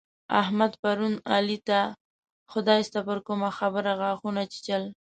احمد پرون علي ته خداسته پر کومه خبره غاښونه چيچل.